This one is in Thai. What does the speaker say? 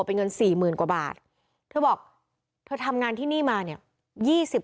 เป็นเงินสี่หมื่นกว่าบาทเธอบอกเธอทำงานที่นี่มาเนี่ย